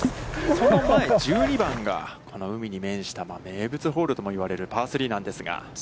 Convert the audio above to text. その前、１２番が、この海に面した名物ホールとも言われるパー３なんですが。